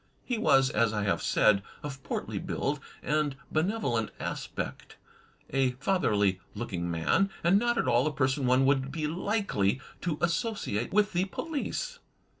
He was, as I have said, of portly build and benevolent aspect; a fatherly looking man, and not at all the person one would be likely to associate with the police.